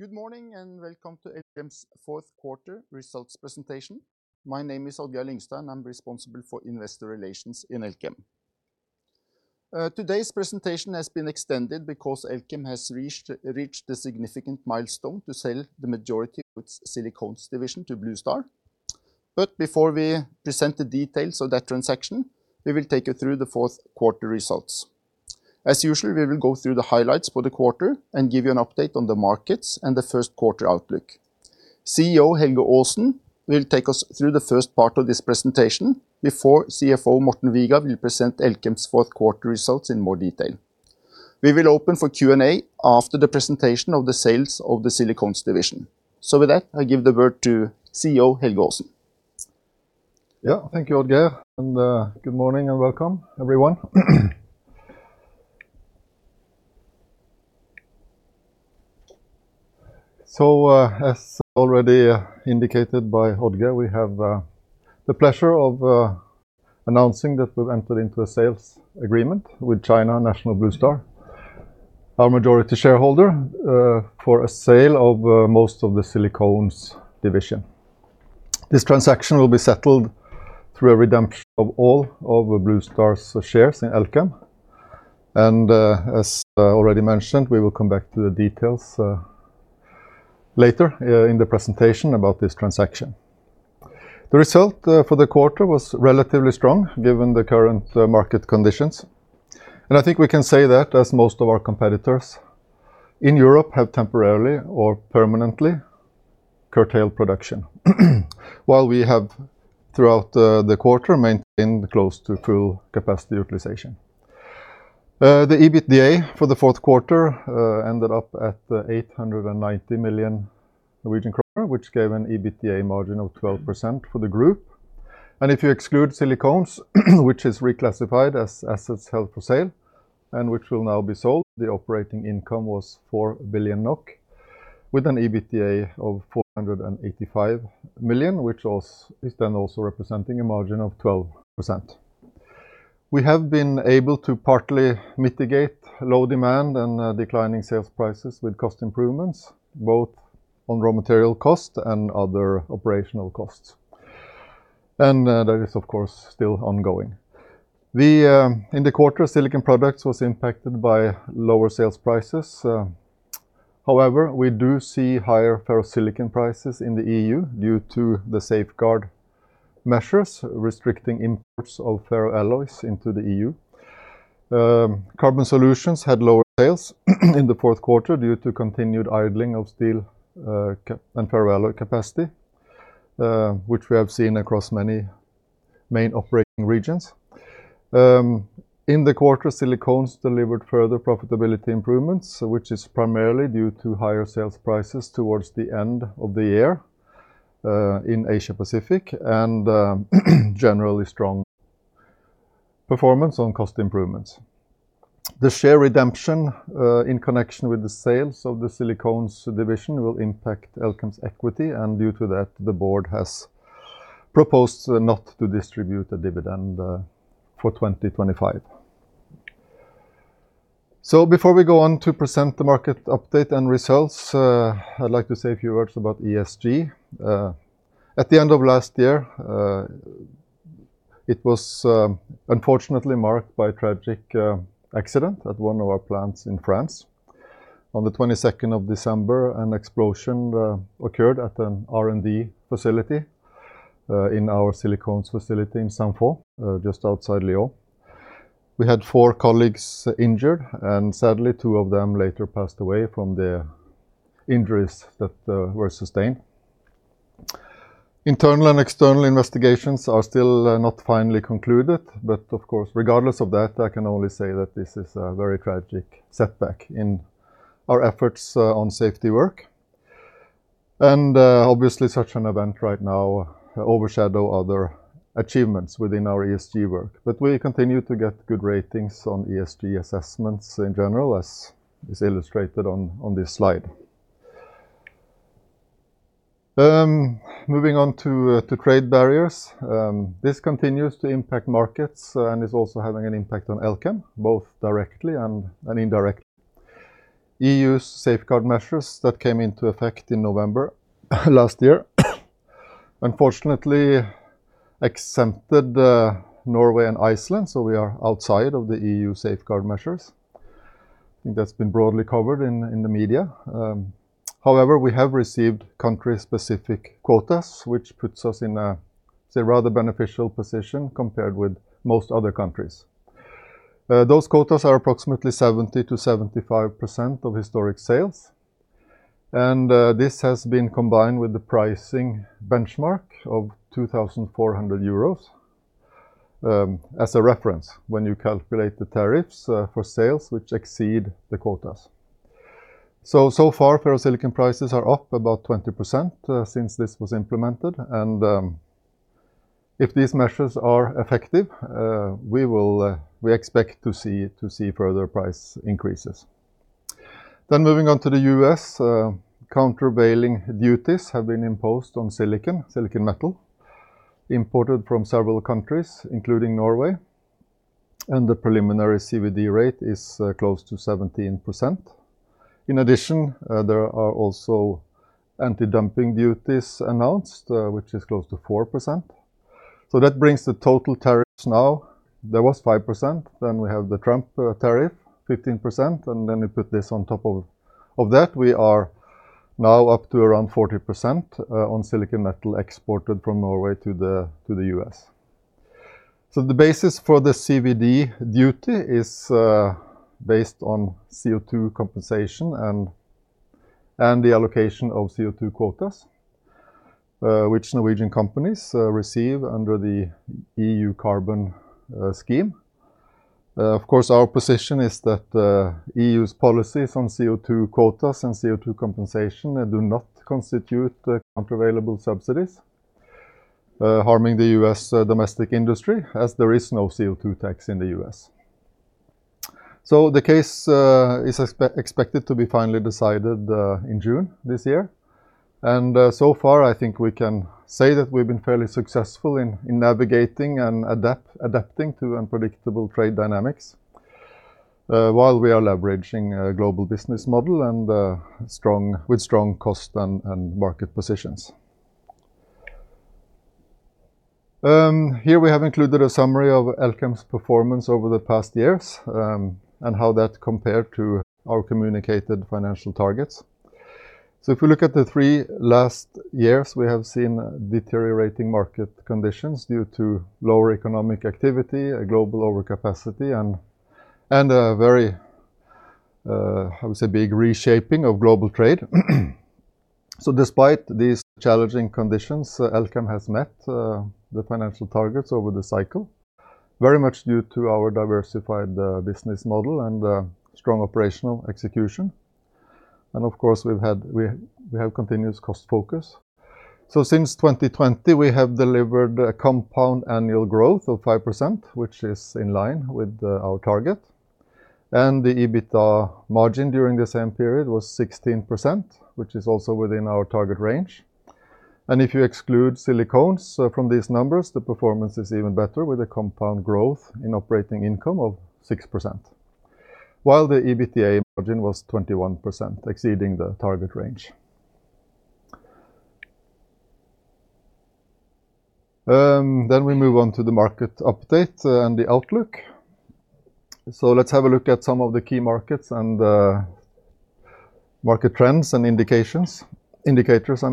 Good morning, and welcome to Elkem's fourth quarter results presentation. My name is Odd-Geir Lyngstad, I'm responsible for investor relations in Elkem. Today's presentation has been extended because Elkem has reached a significant milestone to sell the majority of its Silicones division to Bluestar. But before we present the details of that transaction, we will take you through the fourth quarter results. As usual, we will go through the highlights for the quarter and give you an update on the markets and the first quarter outlook. CEO Helge Aasen will take us through the first part of this presentation before CFO Morten Viga will present Elkem's fourth quarter results in more detail. We will open for Q&A after the presentation of the sales of the Silicones division. So with that, I give the word to CEO Helge Aasen. Yeah, thank you, Odd-Geir, and good morning, and welcome, everyone. So, as already indicated by Odd-Geir, we have the pleasure of announcing that we've entered into a sales agreement with China National Bluestar, our majority shareholder, for a sale of most of the Silicones division. This transaction will be settled through a redemption of all of Bluestar's shares in Elkem, and as already mentioned, we will come back to the details later in the presentation about this transaction. The result for the quarter was relatively strong given the current market conditions, and I think we can say that as most of our competitors in Europe have temporarily or permanently curtailed production, while we have, throughout the quarter, maintained close to full capacity utilization. The EBITDA for the fourth quarter ended up at 890 million Norwegian kroner, which gave an EBITDA margin of 12% for the group. And if you exclude Silicones, which is reclassified as assets held for sale and which will now be sold, the operating income was 4 billion NOK, with an EBITDA of 485 million, which is then also representing a margin of 12%. We have been able to partly mitigate low demand and declining sales prices with cost improvements, both on raw material cost and other operational costs, and that is, of course, still ongoing. In the quarter, Silicon Products was impacted by lower sales prices. However, we do see higher ferrosilicon prices in the EU due to the safeguard measures, restricting imports of ferroalloys into the EU. Carbon Solutions had lower sales in the fourth quarter due to continued idling of steel capacity and ferroalloy capacity, which we have seen across many main operating regions. In the quarter, Silicones delivered further profitability improvements, which is primarily due to higher sales prices towards the end of the year in Asia Pacific and generally strong performance on cost improvements. The share redemption in connection with the sales of the Silicones division will impact Elkem's equity, and due to that, the board has proposed not to distribute a dividend for 2025. Before we go on to present the market update and results, I'd like to say a few words about ESG. At the end of last year, it was unfortunately marked by a tragic accident at one of our plants in France. On the twenty-second of December, an explosion occurred at an R&D facility in our Silicones facility in Saint-Fons, just outside Lyon. We had four colleagues injured, and sadly, two of them later passed away from the injuries that were sustained. Internal and external investigations are still not finally concluded, but of course, regardless of that, I can only say that this is a very tragic setback in our efforts on safety work. And obviously, such an event right now overshadow other achievements within our ESG work, but we continue to get good ratings on ESG assessments in general, as is illustrated on this slide. Moving on to trade barriers. This continues to impact markets and is also having an impact on Elkem, both directly and indirectly. EU's safeguard measures that came into effect in November last year unfortunately exempted Norway and Iceland, so we are outside of the EU safeguard measures. I think that's been broadly covered in the media. However, we have received country-specific quotas, which puts us in a, say, rather beneficial position compared with most other countries. Those quotas are approximately 70%-75% of historic sales, and this has been combined with the pricing benchmark of 2,400 euros as a reference when you calculate the tariffs for sales which exceed the quotas. So far, ferrosilicon prices are up about 20% since this was implemented, and if these measures are effective, we expect to see further price increases. Then moving on to the U.S., countervailing duties have been imposed on silicon, silicon metal, imported from several countries, including Norway. The preliminary CVD rate is close to 17%. In addition, there are also anti-dumping duties announced, which is close to 4%. That brings the total tariffs now, there was 5%, then we have the Trump tariff, 15%, and then we put this on top of that, we are now up to around 40%, on silicon metal exported from Norway to the U.S. The basis for the CVD duty is based on CO2 compensation and the allocation of CO2 quotas, which Norwegian companies receive under the EU Carbon scheme. Of course, our position is that the EU's policies on CO2 quotas and CO2 compensation, they do not constitute countervailable subsidies harming the U.S. domestic industry, as there is no CO2 tax in the U.S. So the case is expected to be finally decided in June this year. And so far, I think we can say that we've been fairly successful in navigating and adapting to unpredictable trade dynamics while we are leveraging a global business model and strong cost and market positions. Here we have included a summary of Elkem's performance over the past years and how that compared to our communicated financial targets. So if we look at the three last years, we have seen deteriorating market conditions due to lower economic activity, a global overcapacity, and a very, I would say, big reshaping of global trade. So despite these challenging conditions, Elkem has met the financial targets over the cycle, very much due to our diversified business model and strong operational execution. And of course, we have continuous cost focus. So since 2020, we have delivered a compound annual growth of 5%, which is in line with our target. And the EBITDA margin during the same period was 16%, which is also within our target range. If you exclude Silicones from these numbers, the performance is even better, with a compound growth in operating income of 6%, while the EBITDA margin was 21%, exceeding the target range. Then we move on to the market update and the outlook. So let's have a look at some of the key markets and market trends and indicators, I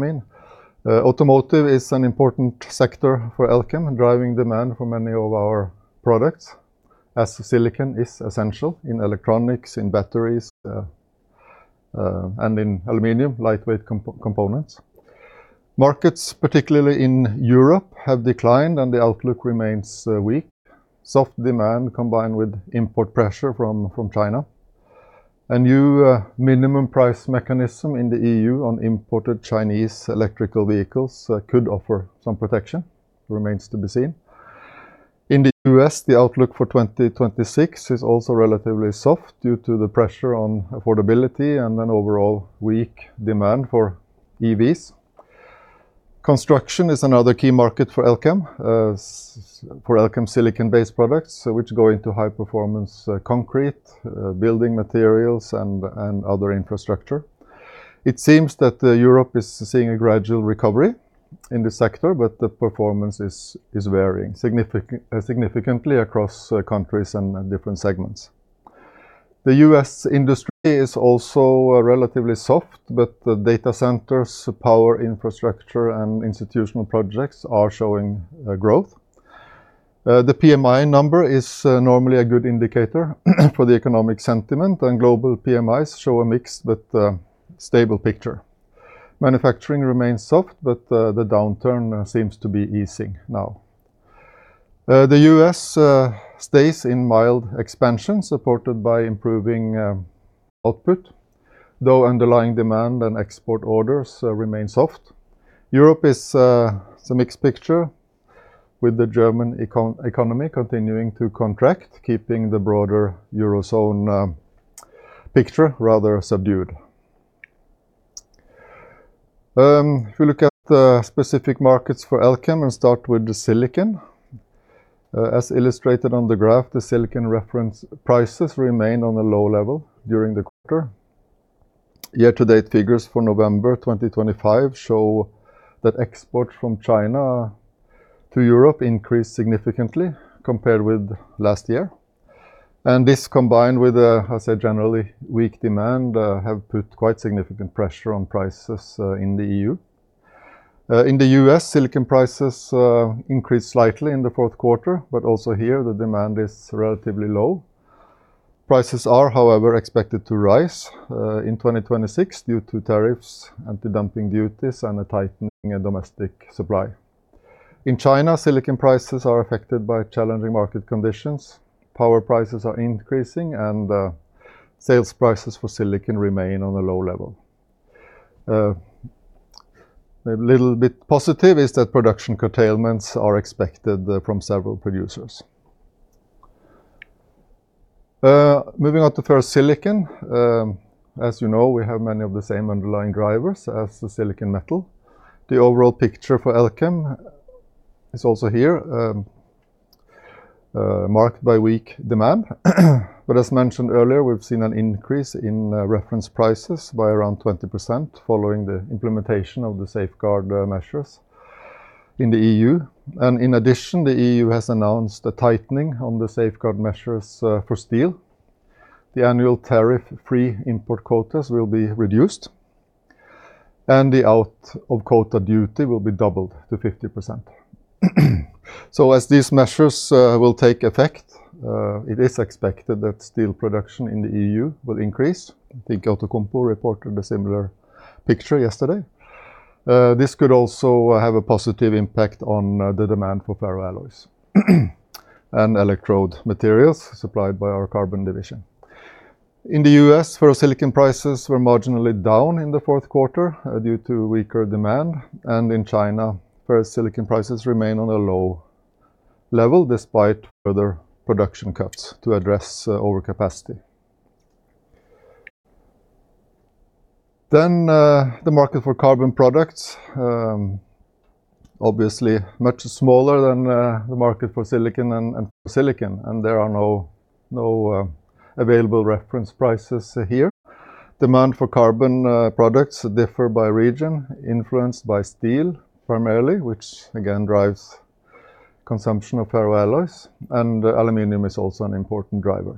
mean. Automotive is an important sector for Elkem, driving demand for many of our products, as silicon is essential in electronics, in batteries and in aluminum lightweight components. Markets, particularly in Europe, have declined, and the outlook remains weak. Soft demand, combined with import pressure from China. A new minimum price mechanism in the EU on imported Chinese electrical vehicles could offer some protection, remains to be seen. In the U.S., the outlook for 2026 is also relatively soft due to the pressure on affordability and an overall weak demand for EVs. Construction is another key market for Elkem for Elkem Silicon-based products, which go into high performance, concrete, building materials, and other infrastructure. It seems that Europe is seeing a gradual recovery in this sector, but the performance is varying significantly across, countries and different segments. The U.S. industry is also relatively soft, but the Data Centers, power infrastructure, and institutional projects are showing growth. The PMI number is normally a good indicator for the economic sentiment, and global PMIs show a mix, but stable picture. Manufacturing remains soft, but the downturn seems to be easing now. The U.S. stays in mild expansion, supported by improving output, though underlying demand and export orders remain soft. Europe is. It's a mixed picture, with the German economy continuing to contract, keeping the broader Eurozone picture rather subdued. If you look at the specific markets for Elkem and start with the silicon, as illustrated on the graph, the silicon reference prices remain on a low level during the quarter. Year-to-date figures for November 2025 show that exports from China to Europe increased significantly compared with last year. And this, combined with a generally weak demand, have put quite significant pressure on prices in the EU in the U.S., silicon prices increased slightly in the fourth quarter, but also here, the demand is relatively low. Prices are, however, expected to rise in 2026 due to tariffs, anti-dumping duties, and a tightening in domestic supply. In China, silicon prices are affected by challenging market conditions, power prices are increasing, and sales prices for silicon remain on a low level. A little bit positive is that production curtailments are expected from several producers. Moving on to ferrosilicon. As you know, we have many of the same underlying drivers as the silicon metal. The overall picture for Elkem is also here marked by weak demand. But as mentioned earlier, we've seen an increase in reference prices by around 20% following the implementation of the safeguard measures in the EU. And in addition, the EU has announced a tightening on the safeguard measures for steel. The annual tariff-free import quotas will be reduced, and the out of quota duty will be doubled to 50%. So as these measures will take effect, it is expected that steel production in the EU will increase. I think Outokumpu reported a similar picture yesterday. This could also have a positive impact on the demand for ferroalloys, and electrode materials supplied by our carbon division. In the U.S., ferrosilicon prices were marginally down in the fourth quarter due to weaker demand, and in China, ferrosilicon prices remain on a low level, despite further production cuts to address overcapacity. Then the market for carbon products obviously much smaller than the market for silicon and silicon, and there are no available reference prices here. Demand for carbon products differ by region, influenced by steel, primarily, which again drives consumption of ferroalloys, and aluminum is also an important driver.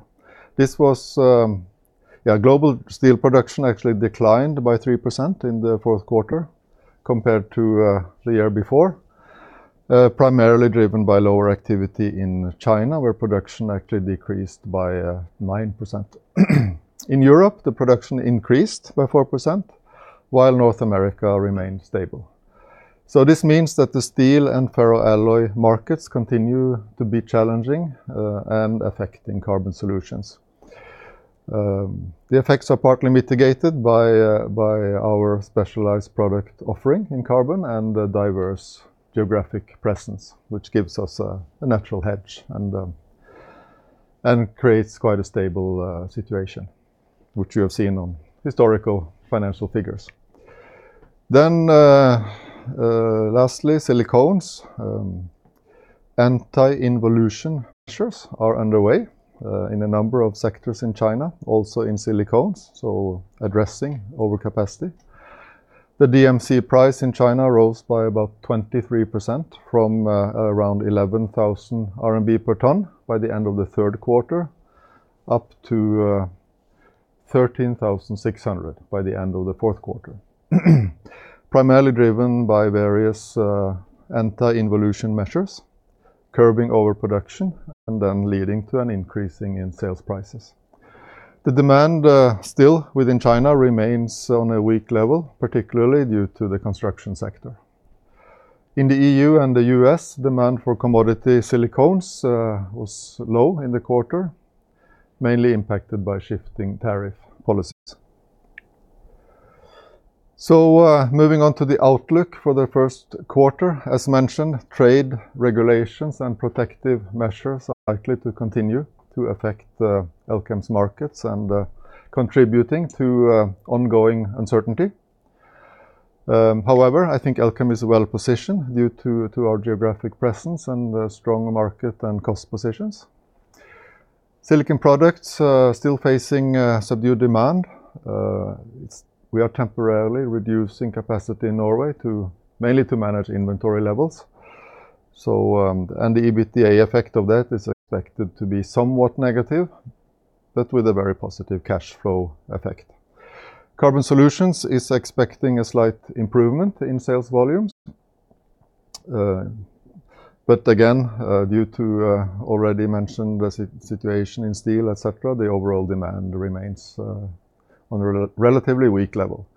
Global steel production actually declined by 3% in the fourth quarter compared to the year before, primarily driven by lower activity in China, where production actually decreased by 9%. In Europe, the production increased by 4%, while North America remained stable. So this means that the steel and ferroalloy markets continue to be challenging and affecting Carbon Solutions. The effects are partly mitigated by our specialized product offering in carbon and the diverse geographic presence, which gives us a natural hedge and creates quite a stable situation, which you have seen on historical financial figures. Then, lastly, Silicones. Anti-involution measures are underway in a number of sectors in China, also in silicones, so addressing overcapacity. The DMC price in China rose by about 23% from around 11,000 RMB per ton by the end of the third quarter, up to 13,600 by the end of the fourth quarter. Primarily driven by various anti-involution measures, curbing overproduction, and then leading to an increasing in sales prices. The demand still within China remains on a weak level, particularly due to the construction sector. In the EU and the U.S., demand for commodity silicones was low in the quarter, mainly impacted by shifting tariff policies. So, moving on to the outlook for the first quarter. As mentioned, trade regulations and protective measures are likely to continue to affect Elkem's markets and contributing to ongoing uncertainty. However, I think Elkem is well-positioned due to our geographic presence and strong market and cost positions. Silicon Products still facing subdued demand. We are temporarily reducing capacity in Norway mainly to manage inventory levels. So, and the EBITDA effect of that is expected to be somewhat negative, but with a very positive cash flow effect. Carbon Solutions is expecting a slight improvement in sales volumes. But again, due to already mentioned the situation in steel, et cetera, the overall demand remains on a relatively weak level.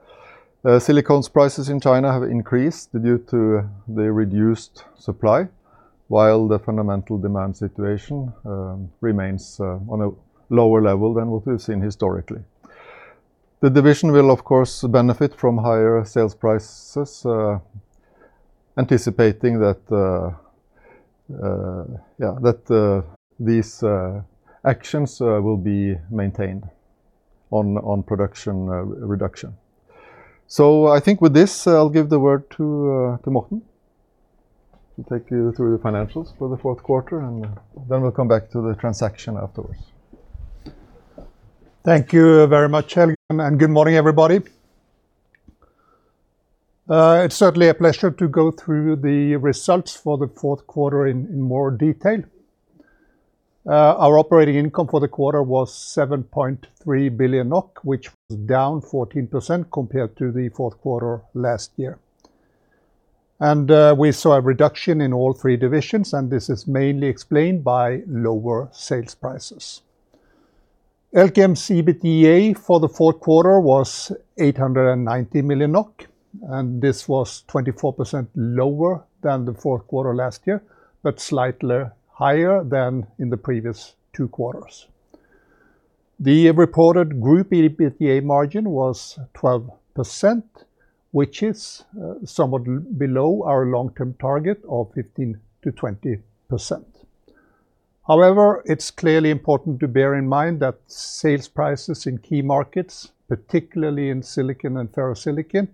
Silicones prices in China have increased due to the reduced supply, while the fundamental demand situation remains on a lower level than what we've seen historically. The division will, of course, benefit from higher sales prices, anticipating that, yeah, that these actions will be maintained on, on production reduction. So I think with this, I'll give the word to, to Morten to take you through the financials for the fourth quarter, and then we'll come back to the transaction afterwards. Thank you very much, Helge, and good morning, everybody. It's certainly a pleasure to go through the results for the fourth quarter in more detail. Our operating income for the quarter was 7.3 billion NOK, which was down 14% compared to the fourth quarter last year. We saw a reduction in all three divisions, and this is mainly explained by lower sales prices. Elkem EBITDA for the fourth quarter was 890 million NOK, and this was 24% lower than the fourth quarter last year, but slightly higher than in the previous two quarters. The reported group EBITDA margin was 12%, which is somewhat below our long-term target of 15%-20%. However, it's clearly important to bear in mind that sales prices in key markets, particularly in silicon and ferrosilicon,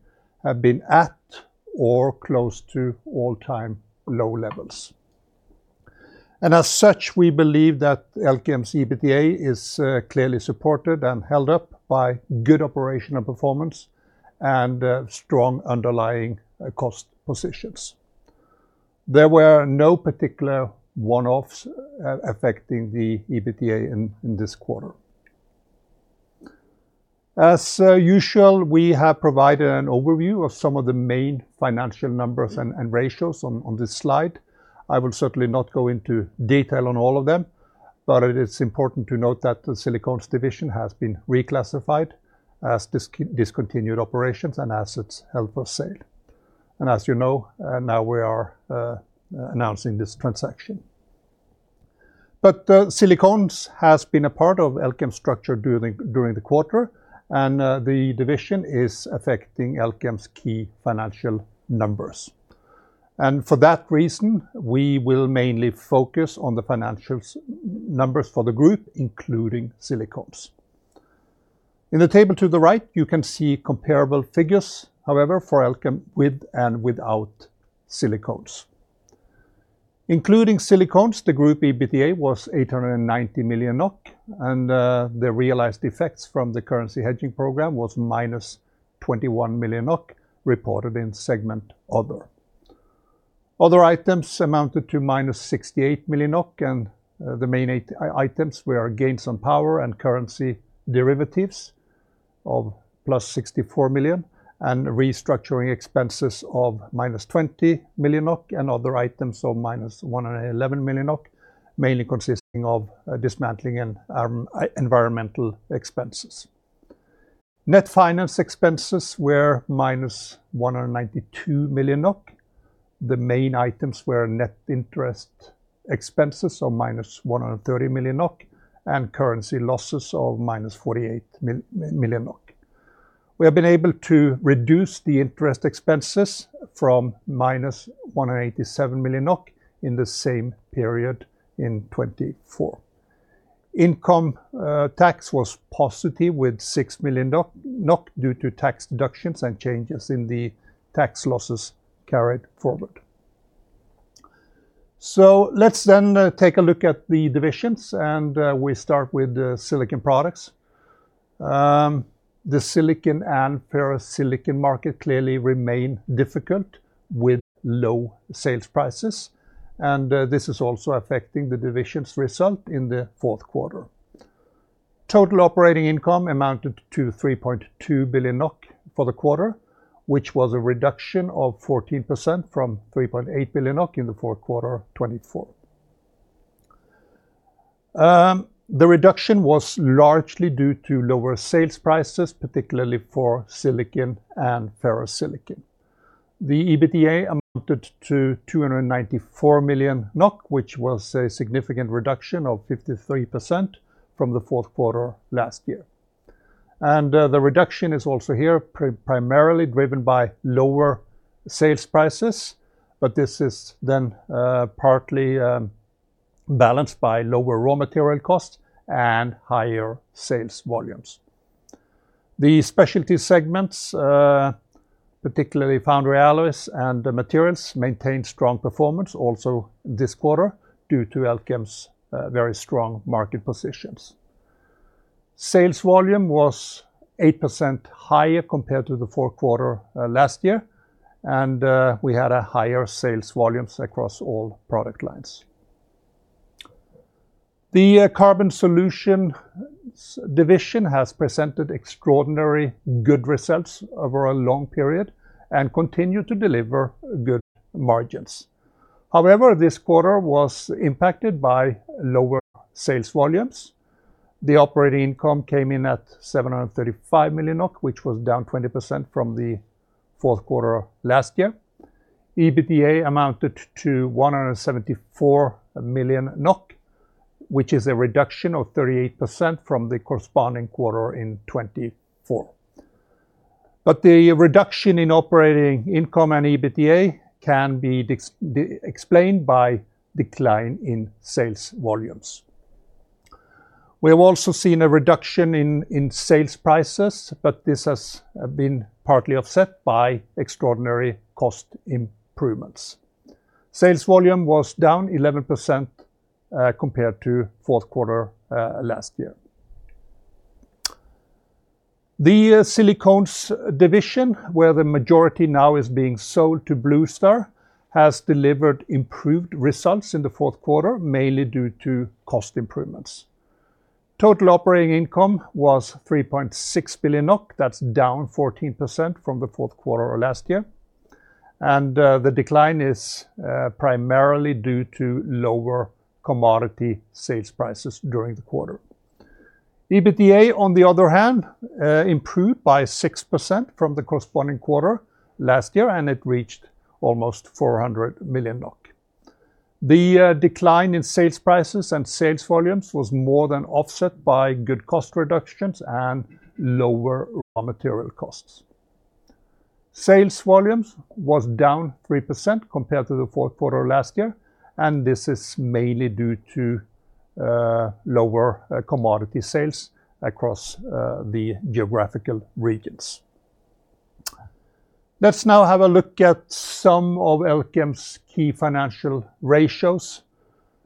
have been at or close to all-time low levels. And as such, we believe that Elkem's EBITDA is clearly supported and held up by good operational performance and strong underlying cost positions. There were no particular one-offs affecting the EBITDA in this quarter. As usual, we have provided an overview of some of the main financial numbers and ratios on this slide. I will certainly not go into detail on all of them, but it is important to note that the Silicones division has been reclassified as discontinued operations and assets held for sale. And as you know, now we are announcing this transaction. But Silicones has been a part of Elkem's structure during the quarter, and the division is affecting Elkem's key financial numbers. For that reason, we will mainly focus on the financial numbers for the group, including Silicones. In the table to the right, you can see comparable figures, however, for Elkem, with and without Silicones. Including Silicones, the group EBITDA was 890 million NOK, and the realized effects from the currency hedging program was -21 million NOK, reported in segment Other. Other items amounted to -68 million, and the main items were our gains on power and currency derivatives of +64 million, and restructuring expenses of -20 million NOK and other items of -111 million NOK, mainly consisting of dismantling and environmental expenses. Net finance expenses were -192 million NOK. The main items were net interest expenses of -130 million NOK and currency losses of -48 million NOK. We have been able to reduce the interest expenses from -187 million NOK in the same period in 2024. Income tax was positive, with 6 million NOK due to tax deductions and changes in the tax losses carried forward. So let's then take a look at the divisions, and we start with the Silicon Products. The silicon and ferrosilicon market clearly remain difficult, with low sales prices, and this is also affecting the division's result in the fourth quarter. Total operating income amounted to 3.2 billion NOK for the quarter, which was a reduction of 14% from 3.8 billion NOK in the fourth quarter of 2024. The reduction was largely due to lower sales prices, particularly for silicon and ferrosilicon. The EBITDA amounted to 294 million NOK, which was a significant reduction of 53% from the fourth quarter last year. The reduction is also here primarily driven by lower sales prices, but this is then partly balanced by lower raw material costs and higher sales volumes. The specialty segments, particularly foundry alloys and the materials, maintained strong performance also this quarter, due to Elkem's very strong market positions. Sales volume was 8% higher compared to the fourth quarter last year, and we had higher sales volumes across all product lines. The Carbon Solutions division has presented extraordinary good results over a long period and continue to deliver good margins. However, this quarter was impacted by lower sales volumes. The operating income came in at 735 million, which was down 20% from the fourth quarter last year. EBITDA amounted to 174 million NOK, which is a reduction of 38% from the corresponding quarter in 2024. But the reduction in operating income and EBITDA can be explained by decline in sales volumes. We have also seen a reduction in sales prices, but this has been partly offset by extraordinary cost improvements. Sales volume was down 11%, compared to fourth quarter last year. The Silicones division, where the majority now is being sold to Bluestar, has delivered improved results in the fourth quarter, mainly due to cost improvements. Total operating income was 3.6 billion NOK. That's down 14% from the fourth quarter of last year, and the decline is primarily due to lower commodity sales prices during the quarter. EBITDA, on the other hand, improved by 6% from the corresponding quarter last year, and it reached almost 400 million NOK. The decline in sales prices and sales volumes was more than offset by good cost reductions and lower raw material costs. Sales volumes was down 3% compared to the fourth quarter of last year, and this is mainly due to lower commodity sales across the geographical regions. Let's now have a look at some of Elkem's key financial ratios.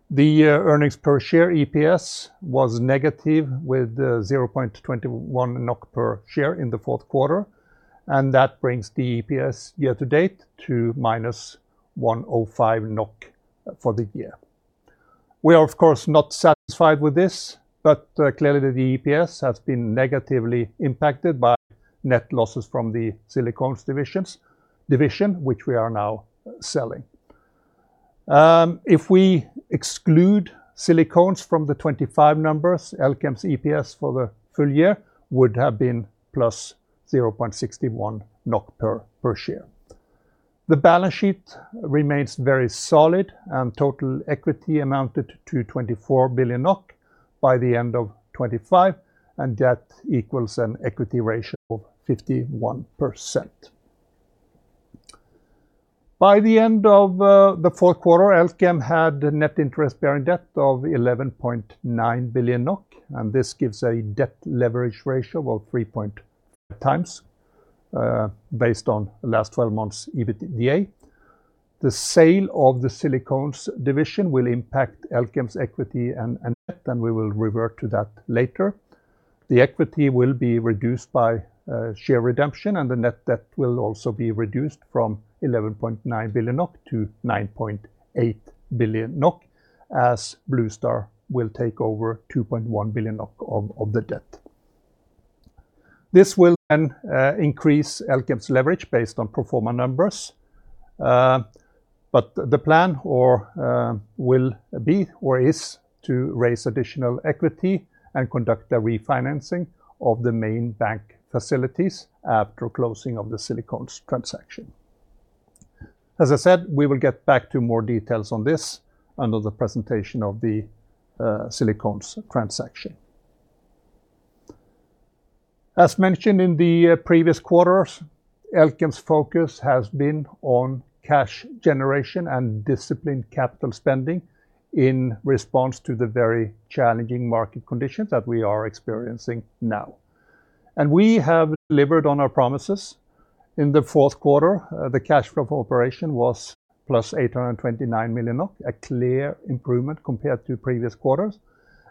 The earnings per share, EPS, was negative, with zero point twenty-one NOK per share in the fourth quarter, and that brings the EPS year to date to minus 105 NOK for the year. We are, of course, not satisfied with this, but clearly the EPS has been negatively impacted by net losses from the Silicones division, which we are now selling. If we exclude Silicones from the 25 numbers, Elkem's EPS for the full year would have been +0.61 NOK per share. The balance sheet remains very solid, and total equity amounted to 24 billion NOK by the end of 2025, and that equals an equity ratio of 51%. By the end of the fourth quarter, Elkem had a net interest-bearing debt of 11.9 billion NOK, and this gives a debt leverage ratio of 3.5 times based on last twelve months EBITDA. The sale of the Silicones division will impact Elkem's equity and, and debt, and we will revert to that later. The equity will be reduced by share redemption, and the net debt will also be reduced from 11.9 billion NOK to 9.8 billion NOK, as Bluestar will take over 2.1 billion NOK of the debt. This will then increase Elkem's leverage based on pro forma numbers. But the plan will be or is to raise additional equity and conduct a refinancing of the main bank facilities after closing of the Silicones transaction. As I said, we will get back to more details on this under the presentation of the Silicones transaction. As mentioned in the previous quarters, Elkem's focus has been on cash generation and disciplined capital spending in response to the very challenging market conditions that we are experiencing now, and we have delivered on our promises. In the fourth quarter, the cash flow operation was +829 million NOK, a clear improvement compared to previous quarters,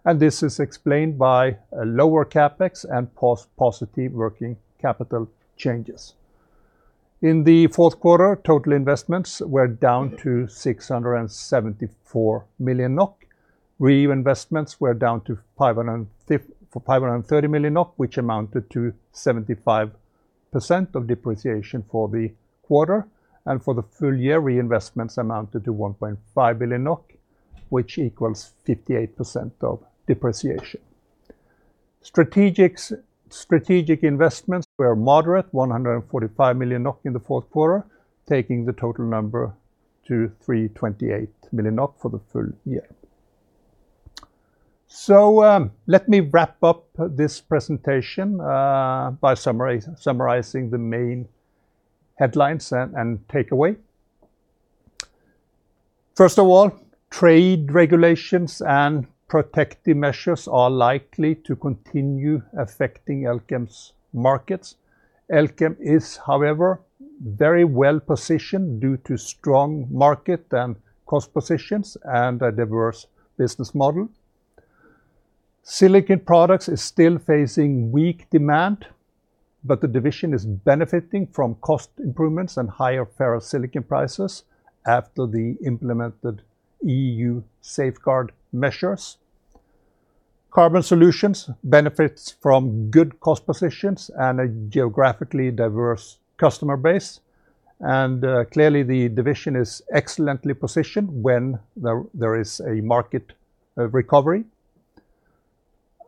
and this is explained by a lower CapEx and positive working capital changes. In the fourth quarter, total investments were down to 674 million NOK. Reinvestments were down to 500 and fifth. For 530 million NOK, which amounted to 75% of depreciation for the quarter, and for the full year, reinvestments amounted to 1.5 billion NOK, which equals 58% of depreciation. Strategic investments were moderate, 145 million NOK in the fourth quarter, taking the total number to 328 million NOK for the full year. So, let me wrap up this presentation by summarizing the main headlines and takeaway. First of all, trade regulations and protective measures are likely to continue affecting Elkem's markets. Elkem is, however, very well-positioned due to strong market and cost positions and a diverse business model. Silicon Products is still facing weak demand, but the division is benefiting from cost improvements and higher Ferrosilicon prices after the implemented EU safeguard measures. Carbon Solutions benefits from good cost positions and a geographically diverse customer base, and clearly the division is excellently positioned when there is a market recovery.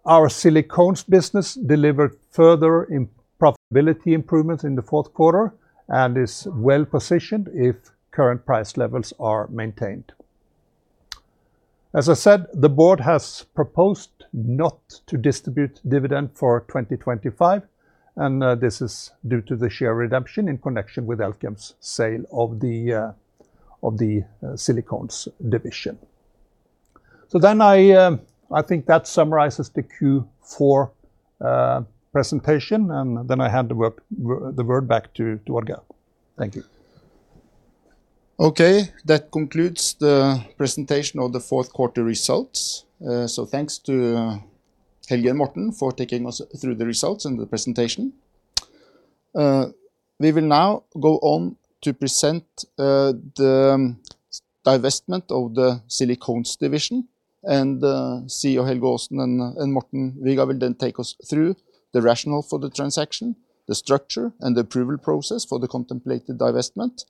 Our Silicones business delivered further profitability improvements in the fourth quarter and is well-positioned if current price levels are maintained. As I said, the board has proposed not to distribute dividend for 2025, and this is due to the share redemption in connection with Elkem's sale of the Silicones division. So then I think that summarizes the Q4 presentation, and then I hand the word back to Odd-Geir. Thank you. Okay, that concludes the presentation of the fourth quarter results. So thanks to Helge and Morten for taking us through the results and the presentation. We will now go on to present the divestment of the Silicones division, and CEO Helge Aasen and Morten Viga will then take us through the rationale for the transaction, the structure, and the approval process for the contemplated divestment,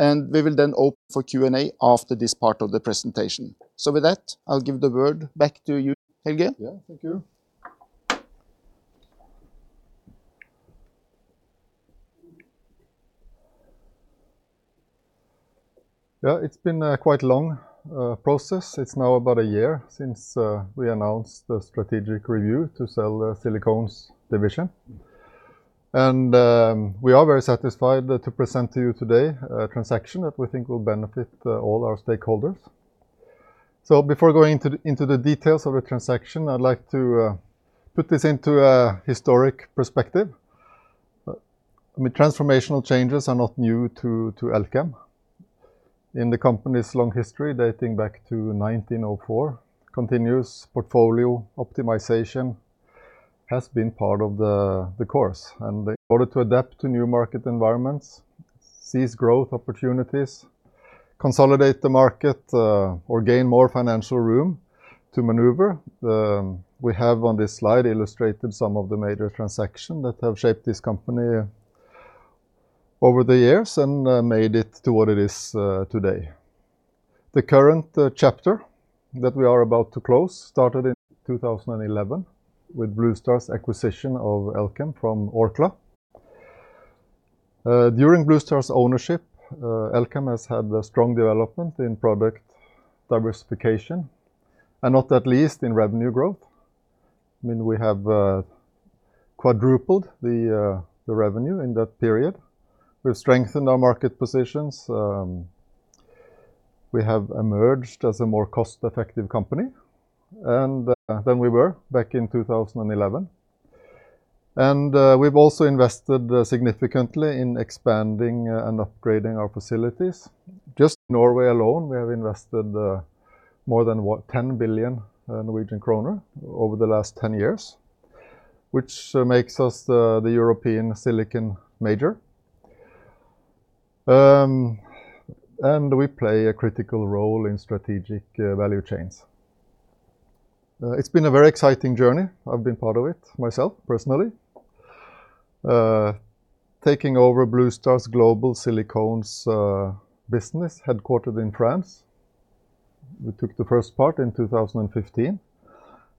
and we will then open for Q&A after this part of the presentation. So with that, I'll give the word back to you, Helge. Yeah, thank you. Yeah, it's been a quite long process. It's now about a year since we announced the strategic review to sell Silicones Division. And we are very satisfied to present to you today a transaction that we think will benefit all our stakeholders. So before going into the details of the transaction, I'd like to put this into a historic perspective. I mean, transformational changes are not new to Elkem. In the Company's long history, dating back to 1904, continuous portfolio optimization has been part of the course, and in order to adapt to new market environments, seize growth opportunities, consolidate the market, or gain more financial room to maneuver. We have, on this slide, illustrated some of the major transactions that have shaped this company over the years and made it to what it is today. The current chapter that we are about to close started in 2011 with Bluestar's acquisition of Elkem from Orkla. During Bluestar's ownership, Elkem has had a strong development in product diversification and, not at least, in revenue growth. I mean, we have quadrupled the revenue in that period. We've strengthened our market positions. We have emerged as a more cost-effective company and than we were back in 2011. And we've also invested significantly in expanding and upgrading our facilities. Just in Norway alone, we have invested more than, what, 10 billion Norwegian kroner over the last 10 years, which makes us the European silicon major. And we play a critical role in strategic value chains. It's been a very exciting journey. I've been part of it myself, personally. Taking over Bluestar's Global Silicones business, headquartered in France. We took the first part in 2015,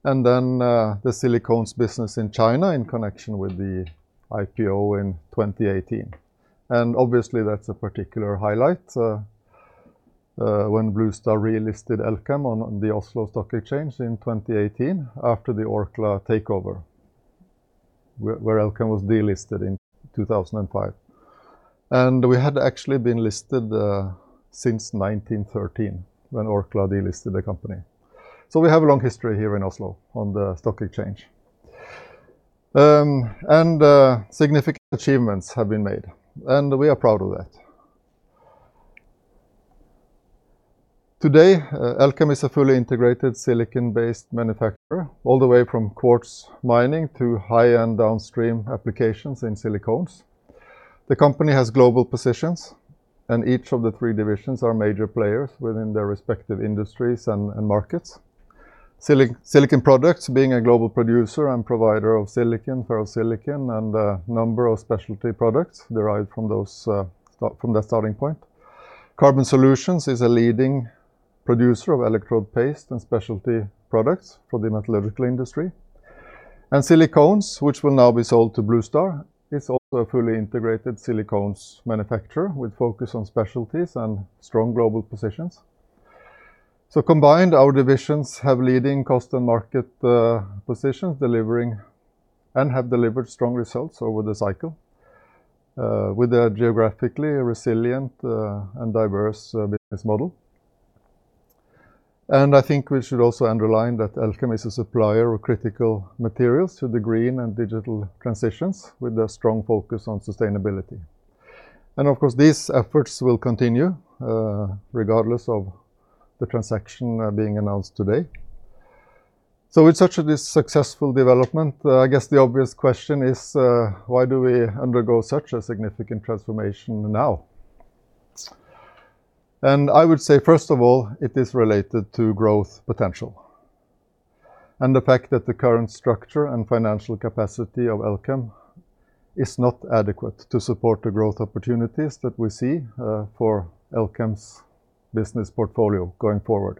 and then the silicones business in China in connection with the IPO in 2018. And obviously, that's a particular highlight, when Bluestar relisted Elkem on the Oslo Stock Exchange in 2018 after the Orkla takeover, where Elkem was delisted in 2005. And we had actually been listed since 1913, when Orkla delisted the company. So we have a long history here in Oslo on the stock exchange. Significant achievements have been made, and we are proud of that. Today, Elkem is a fully integrated silicon-based manufacturer, all the way from quartz mining to high-end downstream applications in silicones. The company has global positions, and each of the three divisions are major players within their respective industries and markets. Silicon Products, being a global producer and provider of silicon, ferrosilicon, and a number of specialty products derived from those, from that starting point. Carbon Solutions is a leading producer of electrode paste and specialty products for the metallurgical industry. Silicones, which will now be sold to Bluestar, is also a fully integrated silicones manufacturer, with focus on specialties and strong global positions. Combined, our divisions have leading cost and market positions, delivering and have delivered strong results over the cycle, with a geographically resilient and diverse business model. I think we should also underline that Elkem is a supplier of critical materials to the green and digital transitions, with a strong focus on sustainability. Of course, these efforts will continue, regardless of the transaction being announced today. With such a successful development, I guess the obvious question is, why do we undergo such a significant transformation now? I would say, first of all, it is related to growth potential and the fact that the current structure and financial capacity of Elkem is not adequate to support the growth opportunities that we see for Elkem's business portfolio going forward.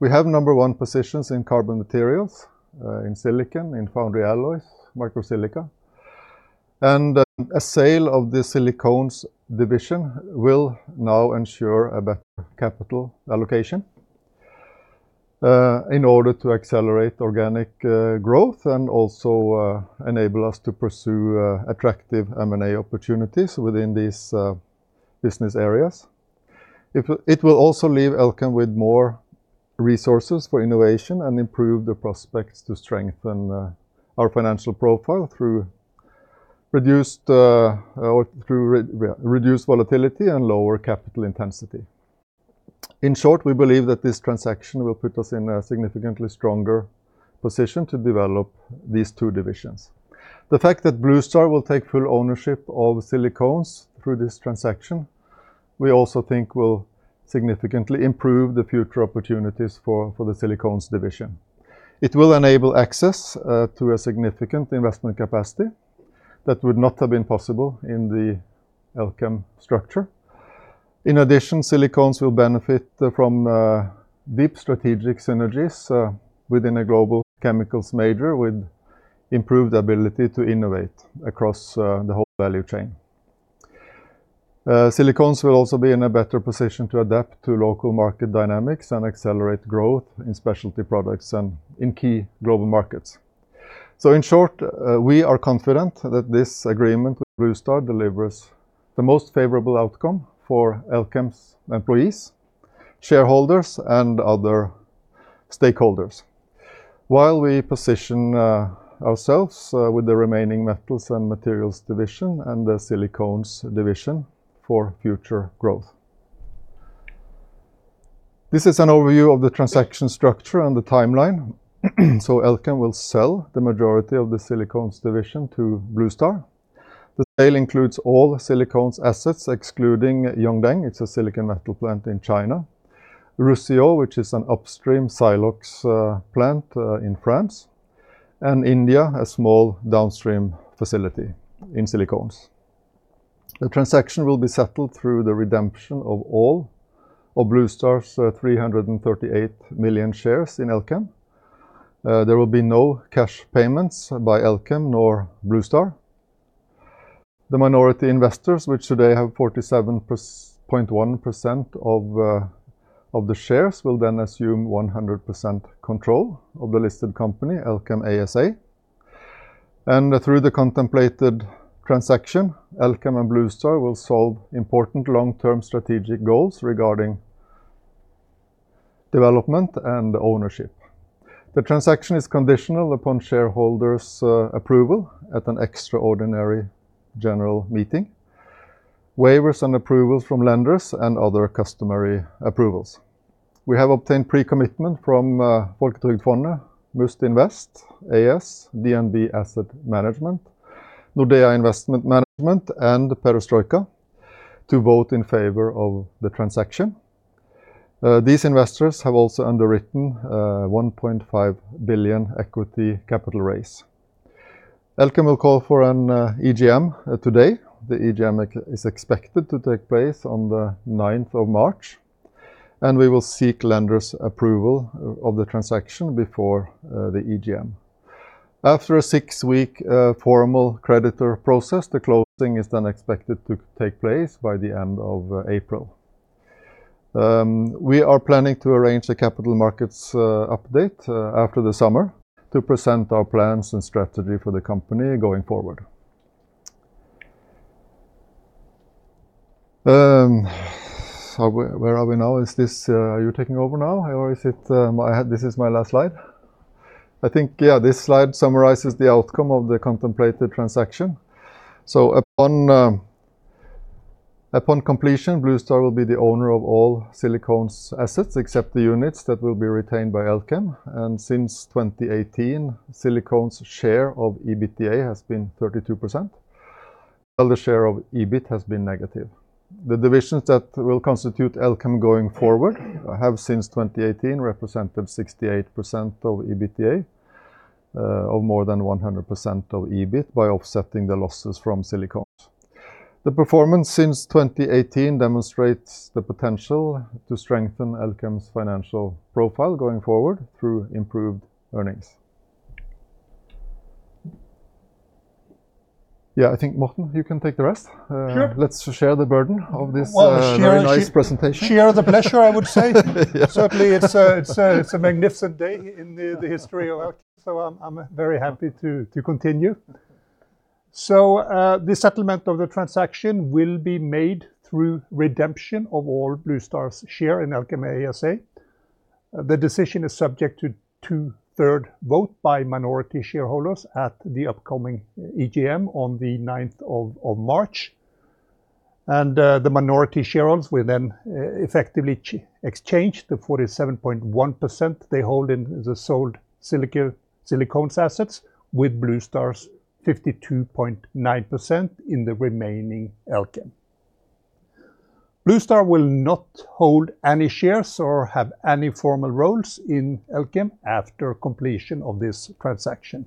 We have number one positions in carbon materials, in silicon, in foundry alloys, microsilica. A sale of the Silicones Division will now ensure a better Capital allocation, in order to accelerate organic growth and also enable us to pursue attractive M&A opportunities within these business areas. It will also leave Elkem with more resources for innovation and improve the prospects to strengthen our financial profile through reduced volatility and lower capital intensity. In short, we believe that this transaction will put us in a significantly stronger position to develop these two divisions. The fact that Bluestar will take full ownership of Silicones through this transaction, we also think will significantly improve the future opportunities for the Silicones Division. It will enable access to a significant investment capacity that would not have been possible in the Elkem structure. In addition, Silicones will benefit from deep strategic synergies within a global chemicals major, with improved ability to innovate across the whole value chain. Silicones will also be in a better position to adapt to local market dynamics and accelerate growth in specialty products and in key global markets. So in short, we are confident that this agreement with Bluestar delivers the most favorable outcome for Elkem's employees, shareholders, and other stakeholders, while we position ourselves with the remaining metals and materials division and the Silicones division for future growth. This is an overview of the transaction structure and the timeline. So Elkem will sell the majority of the Silicones division to Bluestar. The sale includes all Silicones assets, excluding Yongdeng, it's a silicon metal plant in China, Roussillon, which is an upstream Silox plant in France, and India, a small downstream facility in Silicones. The transaction will be settled through the redemption of all of Bluestar's 338 million shares in Elkem. There will be no cash payments by Elkem nor Bluestar. The minority investors, which today have 47.1% of the shares, will then assume 100% control of the listed company, Elkem ASA. And through the contemplated transaction, Elkem and Bluestar will solve important long-term strategic goals regarding development and ownership. The transaction is conditional upon shareholders' approval at an extraordinary general meeting, waivers and approvals from lenders and other customary approvals. We have obtained pre-commitment from Folketrygdfondet, Must Invest AS, DNB Asset Management, Nordea Investment Management, and Perestroika to vote in favor of the transaction. These investors have also underwritten 1.5 billion equity capital raise. Elkem will call for an EGM today. The EGM is expected to take place on the ninth of March, and we will seek lenders' approval of the transaction before the EGM. After a six-week formal creditor process, the closing is then expected to take place by the end of April. We are planning to arrange a Capital Markets Update after the summer to present our plans and strategy for the company going forward. So where, where are we now? Is this, Are you taking over now, or is it this is my last slide? I think, yeah, this slide summarizes the outcome of the contemplated transaction. Upon completion, Bluestar will be the owner of all Silicones assets, except the units that will be retained by Elkem. Since 2018, Silicones' share of EBITDA has been 32%, while the share of EBIT has been negative. The divisions that will constitute Elkem going forward have, since 2018, represented 68% of EBITDA or more than 100% of EBIT, by offsetting the losses from Silicones. The performance since 2018 demonstrates the potential to strengthen Elkem's financial profile going forward through improved earnings. Yeah, I think, Morten, you can take the rest. Sure. Let's share the burden of this, Well- Very nice presentation. Share the pleasure, I would say. Yeah. Certainly, it's a magnificent day in the history of Elkem, so I'm very happy to continue. So, the settlement of the transaction will be made through redemption of all Bluestar's share in Elkem ASA. The decision is subject to two-thirds vote by minority shareholders at the upcoming EGM on the ninth of March. And, the minority shareholders will then effectively exchange the 47.1% they hold in the sold Silicones assets with Bluestar's 52.9% in the remaining Elkem. Bluestar will not hold any shares or have any formal roles in Elkem after completion of this transaction,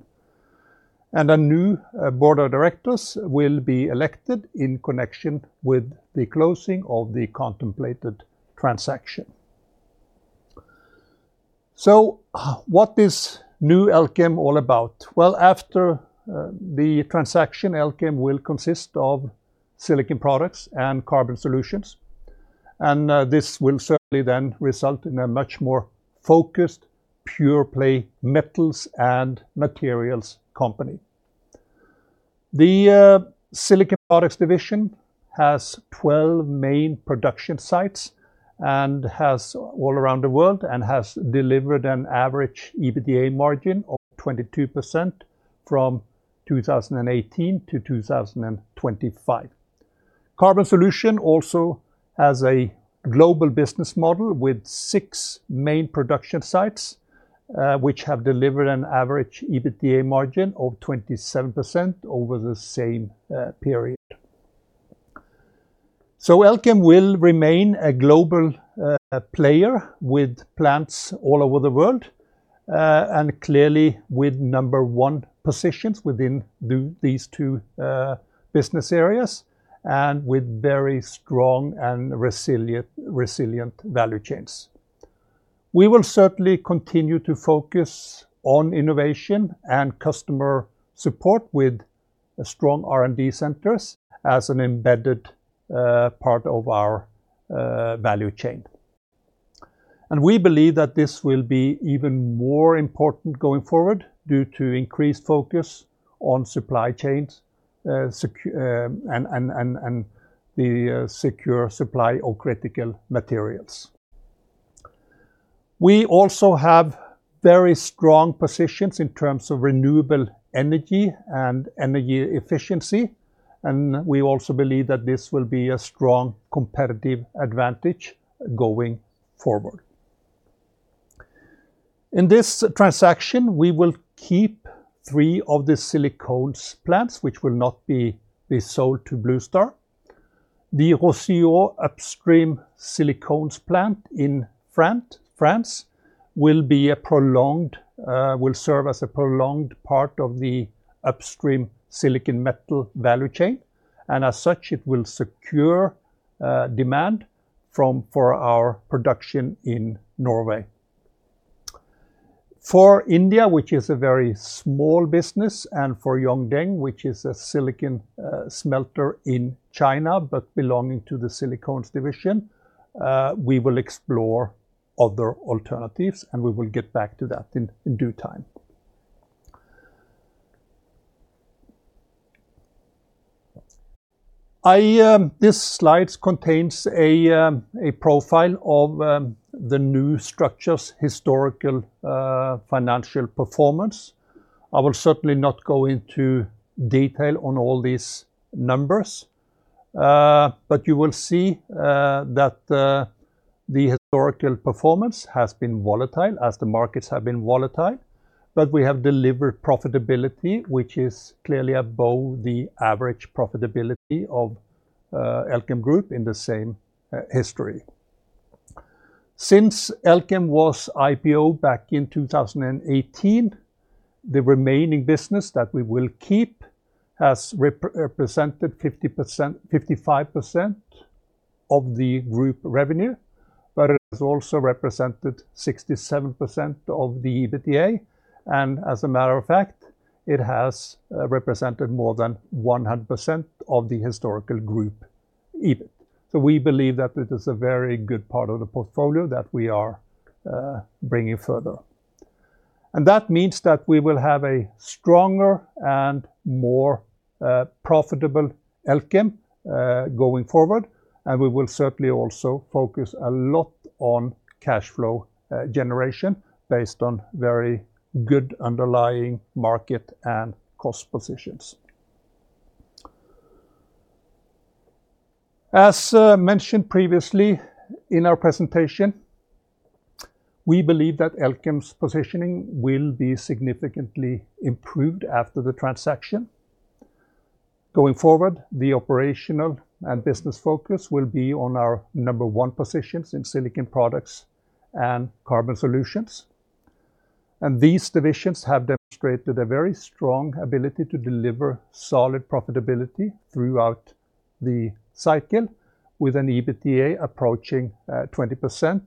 and a new board of directors will be elected in connection with the closing of the contemplated transaction. So, what is new Elkem all about? Well, after the transaction, Elkem will consist of Silicon Products and Carbon Solutions, and this will certainly then result in a much more focused, pure-play metals and materials company. The Silicon Products division has 12 main production sites all around the world, and has delivered an average EBITDA margin of 22% from 2018 to 2025. Carbon Solutions also has a global business model with 6 main production sites, which have delivered an average EBITDA margin of 27% over the same period. So Elkem will remain a global player with plants all over the world, and clearly with number one positions within these two business areas, and with very strong and resilient value chains. We will certainly continue to focus on innovation and customer support with strong R&D centers as an embedded part of our value chain. We believe that this will be even more important going forward due to increased focus on supply chains and the secure supply of critical materials. We also have very strong positions in terms of renewable energy and energy efficiency, and we also believe that this will be a strong competitive advantage going forward. In this transaction, we will keep three of the Silicones plants, which will not be sold to Bluestar. The Roussillon upstream silicones plant in France will serve as a prolonged part of the upstream silicon metal value chain, and as such, it will secure demand for our production in Norway. For India, which is a very small business, and for Yongdeng, which is a silicon smelter in China, but belonging to the Silicones division, we will explore other alternatives, and we will get back to that in due time. This slide contains a profile of the new structure's historical financial performance. I will certainly not go into detail on all these numbers, but you will see that the historical performance has been volatile as the markets have been volatile. But we have delivered profitability, which is clearly above the average profitability of Elkem Group in the same history. Since Elkem was IPOed back in 2018, the remaining business that we will keep has represented 55% of the group revenue, but it has also represented 67% of the EBITDA, and as a matter of fact, it has represented more than 100% of the historical group EBIT. We believe that it is a very good part of the portfolio that we are bringing further. That means that we will have a stronger and more profitable Elkem going forward, and we will certainly also focus a lot on cash flow generation based on very good underlying market and cost positions. As mentioned previously in our presentation, we believe that Elkem's positioning will be significantly improved after the transaction. Going forward, the operational and business focus will be on our number one positions in Silicon Products and Carbon Solutions. And these divisions have demonstrated a very strong ability to deliver solid profitability throughout the cycle, with an EBITDA approaching 20%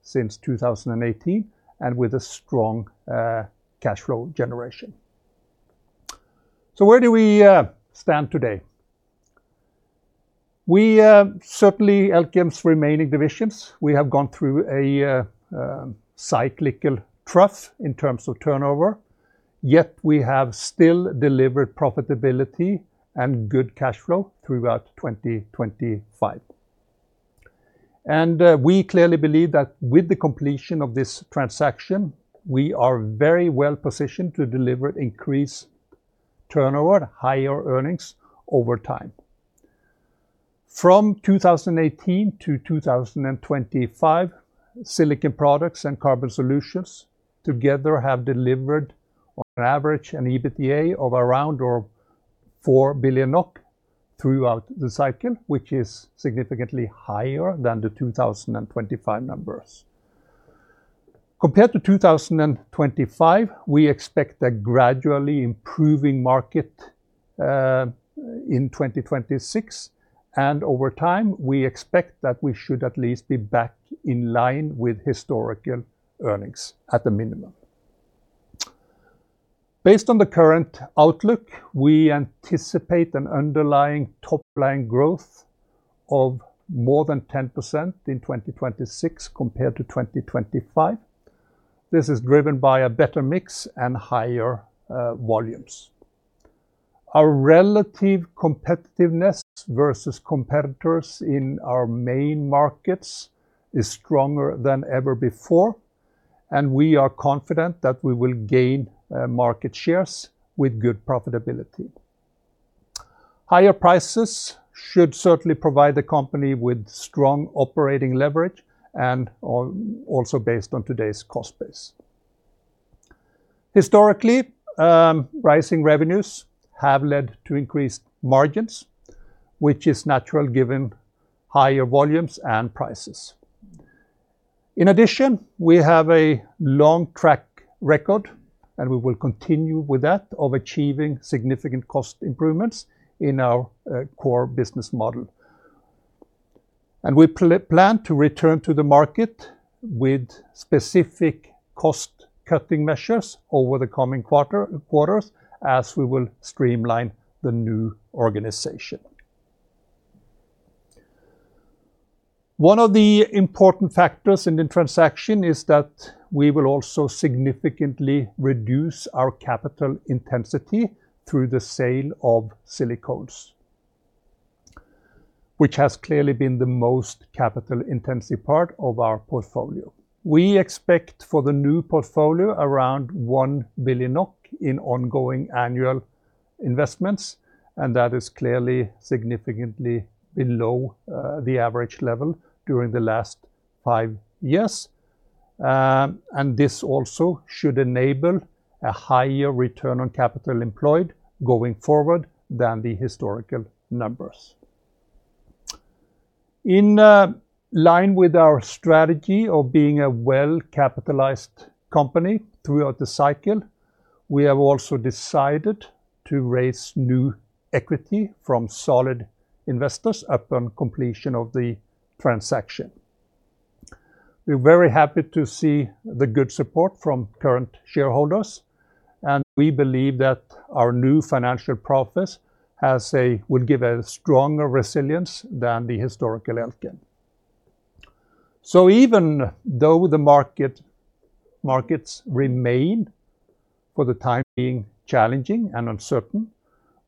since 2018, and with a strong cash flow generation. So where do we stand today? We certainly, Elkem's remaining divisions, we have gone through a cyclical trough in terms of turnover, yet we have still delivered profitability and good cash flow throughout 2025. And we clearly believe that with the completion of this transaction, we are very well positioned to deliver increased turnover, higher earnings over time. From 2018 to 2025, Silicon Products and Carbon Solutions together have delivered on average, an EBITDA of around or 4 billion NOK throughout the cycle, which is significantly higher than the 2025 numbers. Compared to 2025, we expect a gradually improving market, in 2026, and over time, we expect that we should at least be back in line with historical earnings at a minimum. Based on the current outlook, we anticipate an underlying top-line growth of more than 10% in 2026 compared to 2025. This is driven by a better mix and higher, volumes. Our relative competitiveness versus competitors in our main markets is stronger than ever before, and we are confident that we will gain, market shares with good profitability. Higher prices should certainly provide the company with strong operating leverage and also based on today's cost base. Historically, rising revenues have led to increased margins, which is natural, given higher volumes and prices. In addition, we have a long track record, and we will continue with that, of achieving significant cost improvements in our core business model. We plan to return to the market with specific cost-cutting measures over the coming quarters, as we will streamline the new organization. One of the important factors in the transaction is that we will also significantly reduce our capital intensity through the sale of Silicones, which has clearly been the most capital-intensive part of our portfolio. We expect for the new portfolio, around 1 billion NOK in ongoing annual investments, and that is clearly significantly below the average level during the last five years. And this also should enable a higher return on capital employed going forward than the historical numbers. In line with our strategy of being a well-capitalized company throughout the cycle, we have also decided to raise new equity from solid investors upon completion of the transaction. We're very happy to see the good support from current shareholders, and we believe that our new financial profits will give a stronger resilience than the historical Elkem. So even though the markets remain, for the time being, challenging and uncertain,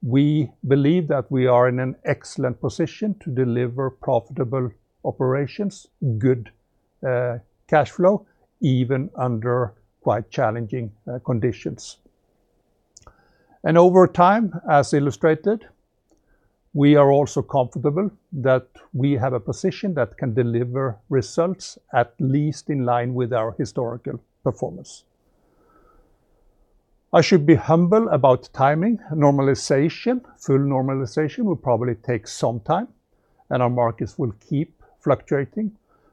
we believe that we are in an excellent position to deliver profitable operations, good cash flow, even under quite challenging conditions. And over time, as illustrated, we are also comfortable that we have a position that can deliver results, at least in line with our historical performance. I should be humble about timing. Normalization, full normalization, will probably take some time, and our markets will keep fluctuating.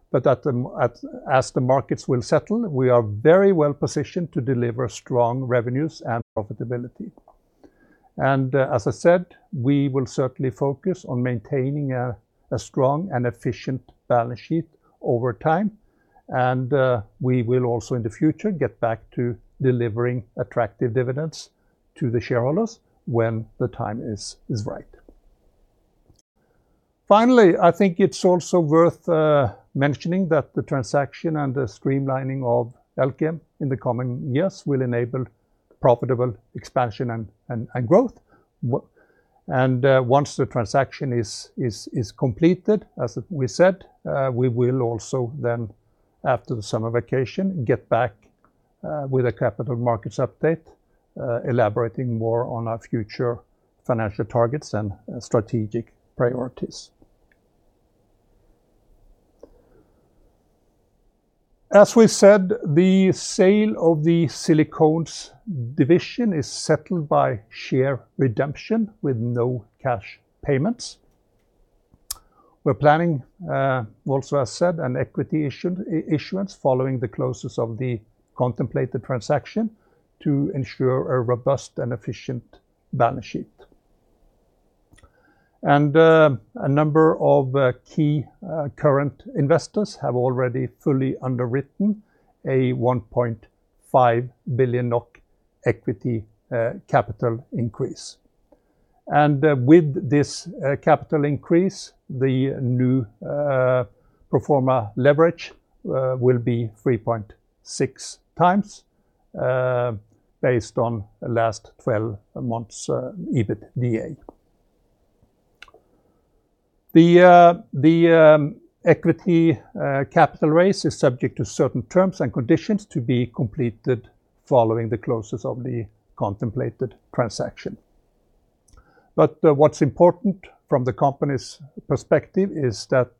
But as the markets settle, we are very well positioned to deliver strong revenues and profitability. And, as I said, we will certainly focus on maintaining a strong and efficient balance sheet over time, and we will also, in the future, get back to delivering attractive dividends to the shareholders when the time is right. Finally, I think it's also worth mentioning that the transaction and the streamlining of Elkem in the coming years will enable profitable expansion and growth. And, once the transaction is completed, as we said, we will also then, after the summer vacation, get back with a Capital Markets Update, elaborating more on our future financial targets and strategic priorities. As we said, the sale of the Silicones division is settled by share redemption with no cash payments. We're planning also, as said, an equity issuance following the closing of the contemplated transaction to ensure a robust and efficient balance sheet. A number of key current investors have already fully underwritten a 1.5 billion NOK equity capital increase. And with this capital increase, the new pro forma leverage will be 3.6x based on the last 12 months' EBITDA. The equity capital raise is subject to certain terms and conditions to be completed following the closing of the contemplated transaction. But what's important from the company's perspective is that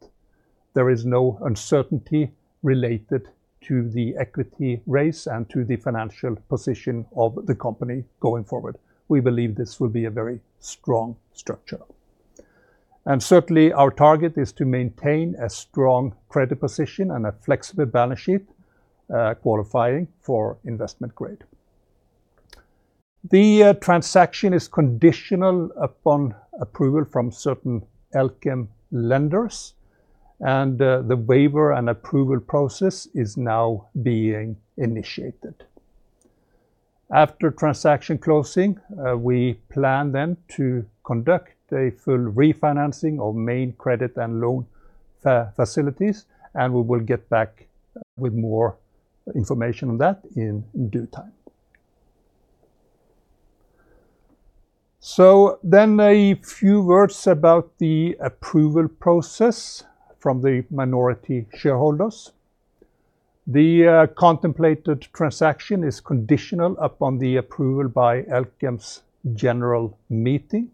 there is no uncertainty related to the equity raise and to the financial position of the company going forward. We believe this will be a very strong structure. And certainly, our target is to maintain a strong credit position and a flexible balance sheet, qualifying for investment grade. The transaction is conditional upon approval from certain Elkem lenders, and the waiver and approval process is now being initiated. After transaction closing, we plan then to conduct a full refinancing of main credit and loan facilities, and we will get back with more information on that in due time. So then, a few words about the approval process from the minority shareholders. The contemplated transaction is conditional upon the approval by Elkem's general meeting.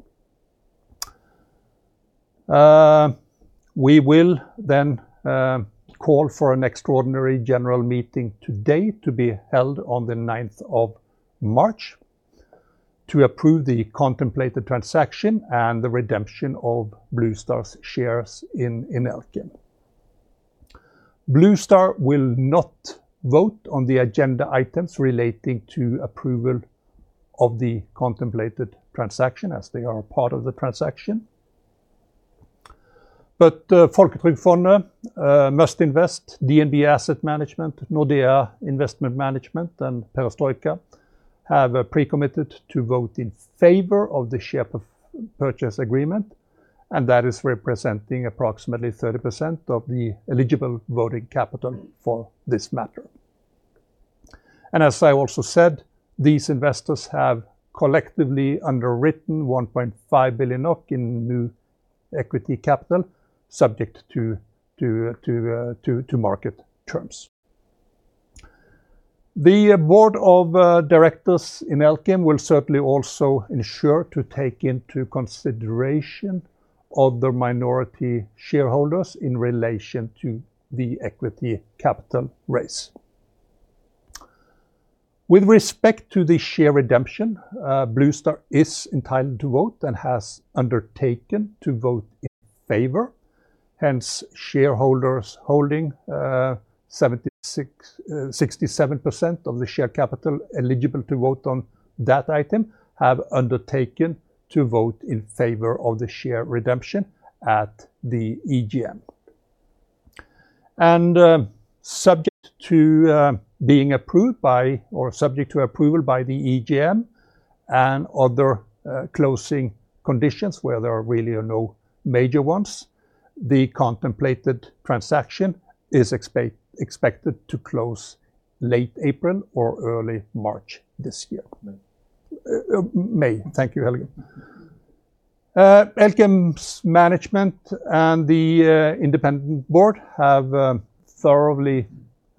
We will then call for an extraordinary general meeting today to be held on the ninth of March, to approve the contemplated transaction and the redemption of Bluestar's shares in Elkem. Bluestar will not vote on the agenda items relating to approval of the contemplated transaction, as they are a part of the transaction. But Folketrygdfondet, Must Invest, DNB Asset Management, Nordea Investment Management, and Perestroika have pre-committed to vote in favor of the share purchase agreement, and that is representing approximately 30% of the eligible voting capital for this matter. As I also said, these investors have collectively underwritten 1.5 billion in new equity capital, subject to market terms. The board of directors in Elkem will certainly also ensure to take into consideration other minority shareholders in relation to the equity capital raise. With respect to the share redemption, Bluestar is entitled to vote and has undertaken to vote in favor. Hence, shareholders holding 76.67% of the share capital eligible to vote on that item have undertaken to vote in favor of the share redemption at the EGM. Subject to being approved by or subject to approval by the EGM and other closing conditions, where there really are no major ones, the contemplated transaction is expected to close late April or early March this year. May. May. Thank you, Helge. Elkem's management and the independent board have thoroughly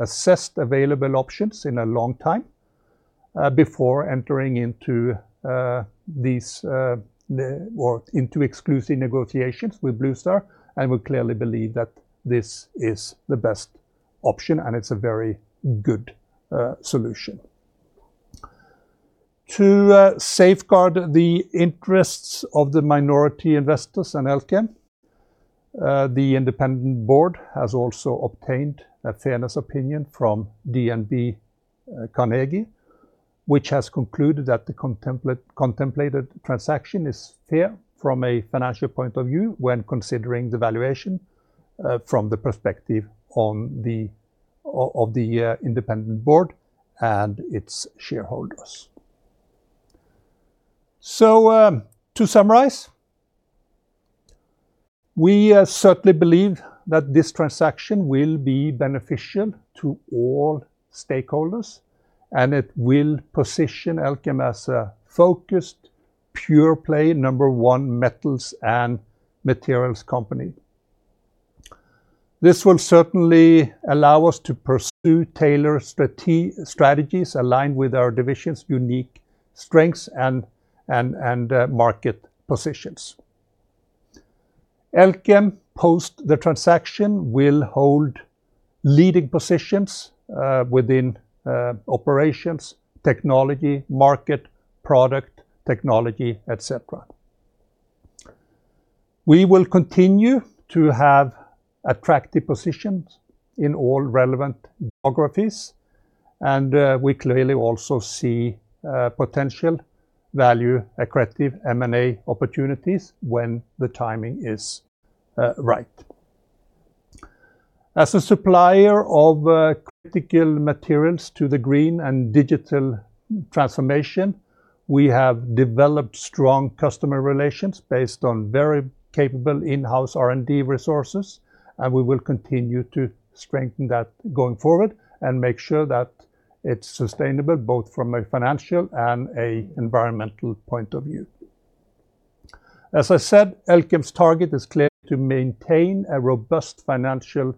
assessed available options in a long time before entering into exclusive negotiations with Bluestar, and we clearly believe that this is the best option, and it's a very good solution. To safeguard the interests of the minority investors in Elkem, the independent board has also obtained a fairness opinion from DNB, Carnegie, which has concluded that the contemplated transaction is fair from a financial point of view when considering the valuation from the perspective of the independent board and its shareholders. To summarize, we certainly believe that this transaction will be beneficial to all stakeholders, and it will position Elkem as a focused, pure-play number one metals and materials company. This will certainly allow us to pursue tailored strategies aligned with our division's unique strengths and market positions. Elkem, post the transaction, will hold leading positions within operations, technology, market, product, technology, et cetera. We will continue to have attractive positions in all relevant geographies, and we clearly also see potential value accretive M&A opportunities when the timing is right. As a supplier of critical materials to the green and digital transformation, we have developed strong customer relations based on very capable in-house R&D resources, and we will continue to strengthen that going forward and make sure that it's sustainable, both from a financial and environmental point of view. As I said, Elkem's target is clear to maintain a robust financial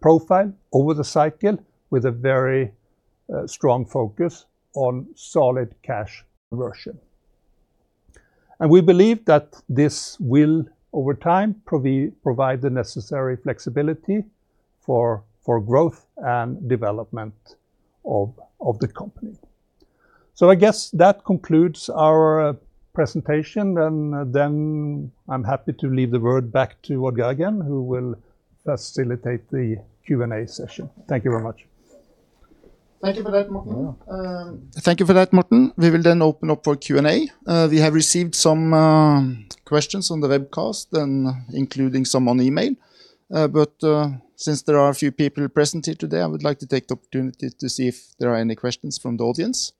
profile over the cycle, with a very strong focus on solid cash conversion. We believe that this will, over time, provide the necessary flexibility for growth and development of the company. So I guess that concludes our presentation, and then I'm happy to leave the word back to Odd-Geir Lyngstad, who will facilitate the Q&A session. Thank you very much. Thank you for that, Morten. Thank you for that, Morten. We will then open up for Q&A. We have received some questions on the webcast and including some on email. But since there are a few people present here today, I would like to take the opportunity to see if there are any questions from the audience.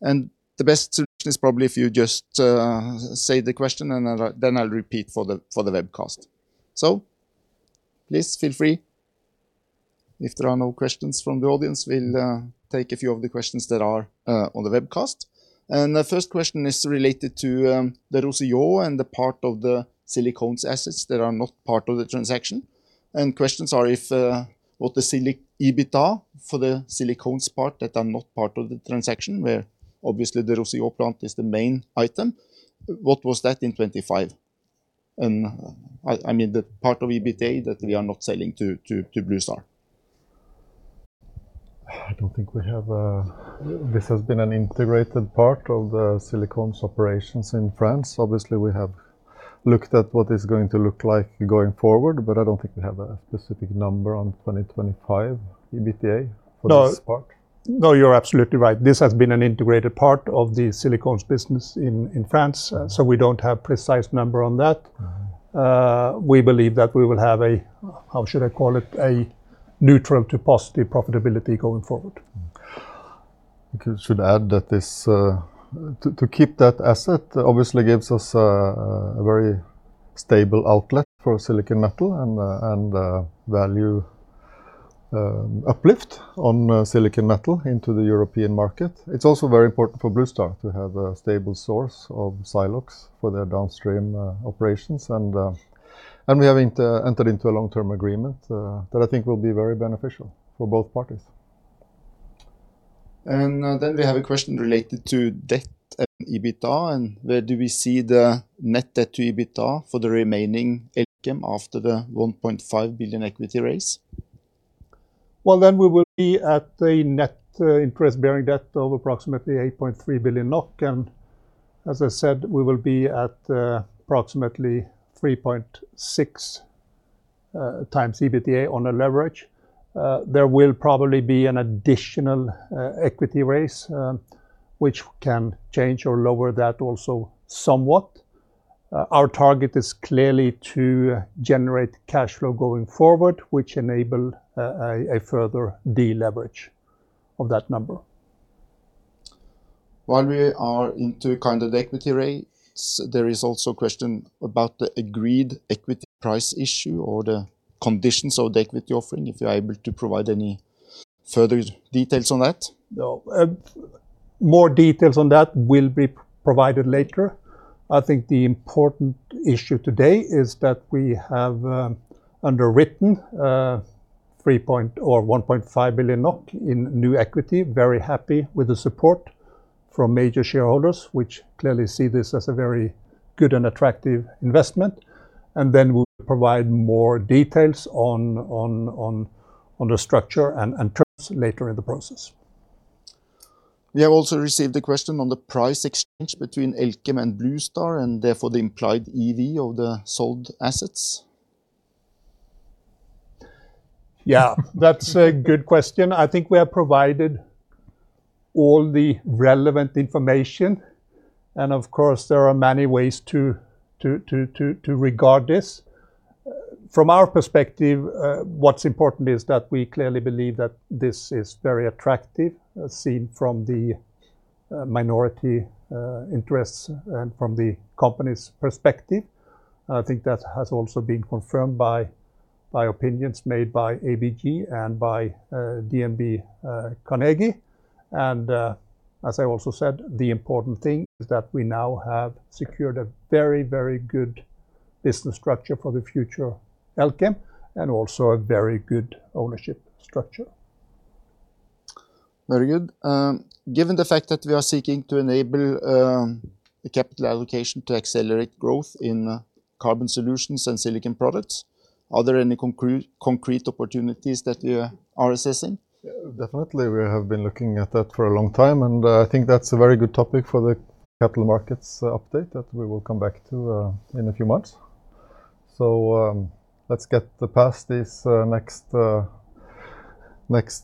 The best solution is probably if you just say the question, and then I, then I'll repeat for the webcast. So please feel free. If there are no questions from the audience, we'll take a few of the questions that are on the webcast. The first question is related to the Roussillon and the part of the Silicones assets that are not part of the transaction.... Questions are if what the silicones EBITDA for the silicones part that are not part of the transaction, where obviously the Roussillon plant is the main item. What was that in 2025? I mean, the part of EBITDA that we are not selling to Bluestar. I don't think we have. This has been an integrated part of the Silicones operations in France. Obviously, we have looked at what it's going to look like going forward, but I don't think we have a specific number on 2025 EBITDA for this part. No, no, you're absolutely right. This has been an integrated part of the Silicones business in France, so we don't have precise number on that. Mm-hmm. We believe that we will have a, how should I call it? a neutral to positive profitability going forward. We should add that this to keep that asset obviously gives us a very stable outlet for silicon metal and value uplift on silicon metal into the European market. It's also very important for Bluestar to have a stable source of Silox for their downstream operations. And we have entered into a long-term agreement that I think will be very beneficial for both parties. We have a question related to debt and EBITDA, and where do we see the net debt to EBITDA for the remaining Elkem after the 1.5 billion equity raise? Well, then we will be at a net interest-bearing debt of approximately 8.3 billion NOK, and as I said, we will be at approximately 3.6x EBITDA on a leverage. There will probably be an additional equity raise, which can change or lower that also somewhat. Our target is clearly to generate cash flow going forward, which enable a further deleverage of that number. While we are into kind of equity raise, there is also a question about the agreed equity price issue or the conditions of the equity offering, if you're able to provide any further details on that? No, more details on that will be provided later. I think the important issue today is that we have underwritten 1.5 billion NOK in new equity. Very happy with the support from major shareholders, which clearly see this as a very good and attractive investment. And then we'll provide more details on the structure and terms later in the process. We have also received a question on the price exchange between Elkem and Bluestar, and therefore the implied EV of the sold assets. Yeah, that's a good question. I think we have provided all the relevant information, and of course, there are many ways to regard this. From our perspective, what's important is that we clearly believe that this is very attractive, seen from the minority interests and from the company's perspective. I think that has also been confirmed by opinions made by ABG and by DNB Carnegie. And as I also said, the important thing is that we now have secured a very, very good business structure for the future Elkem, and also a very good ownership structure. Very good. Given the fact that we are seeking to enable the capital allocation to accelerate growth in Carbon Solutions and Silicon Products, are there any concrete opportunities that you are assessing? Yeah, definitely. We have been looking at that for a long time, and I think that's a very good topic for the capital markets update that we will come back to in a few months. So, let's get past this next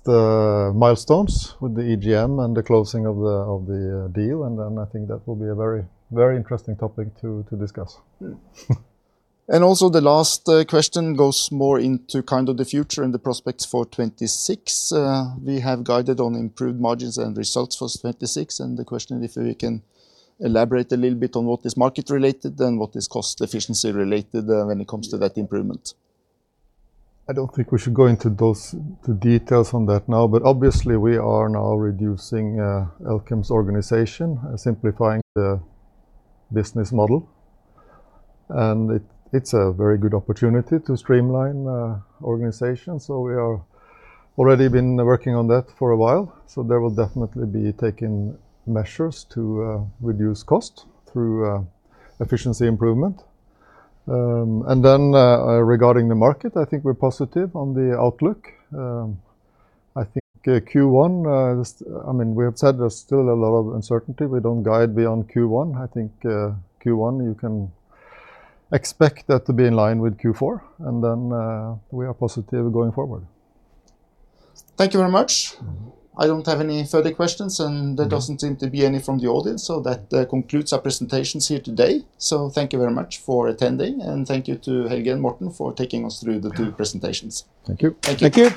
milestones with the EGM and the closing of the deal, and then I think that will be a very, very interesting topic to discuss. Also the last question goes more into kind of the future and the prospects for 2026. We have guided on improved margins and results for 2026, and the question if we can elaborate a little bit on what is market related and what is cost efficiency related, when it comes to that improvement? I don't think we should go into those, the details on that now, but obviously we are now reducing Elkem's organization, simplifying the business model, and it, it's a very good opportunity to streamline organization. So we are already been working on that for a while, so there will definitely be taking measures to reduce cost through efficiency improvement. And then, regarding the market, I think we're positive on the outlook. I think Q1, I mean, we have said there's still a lot of uncertainty. We don't guide beyond Q1. I think Q1, you can expect that to be in line with Q4, and then we are positive going forward. Thank you very much. Mm-hmm. I don't have any further questions. Mm... and there doesn't seem to be any from the audience, so that concludes our presentations here today. So thank you very much for attending, and thank you to Helge and Morten for taking us through the two presentations. Thank you. Thank you. Thank you.